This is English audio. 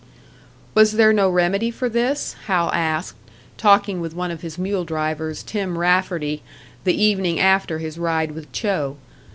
Was there no remedy for this, Hal asked, talking with one of his mule drivers, Tim Rafferty, the evening after his ride with Cho.